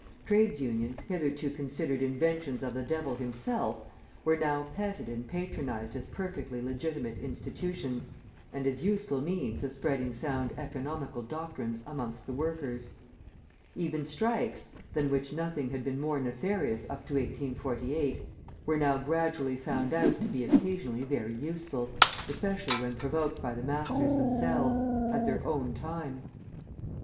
Trades' Unions, hitherto considered inventions of the devil himself, were now petted and patronised as perfectly legitimate institutions, and as useful means of spreading sound economical doctrines amongst the workers. Even strikes, than which nothing had been more nefarious up to 1848, were now gradually found out to be occasionally very useful, especially when provoked by the masters themselves, at their own time.